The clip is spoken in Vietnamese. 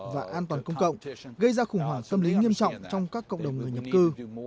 và an toàn công cộng gây ra khủng hoảng tâm lý nghiêm trọng trong các cộng đồng người nhập cư